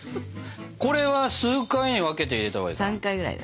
これは数回に分けて入れたほうがいいかな？